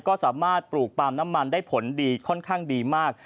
ก็สามารถปลูกปาล์มน้ำมันได้ผลดีค่อนข้างดีมาก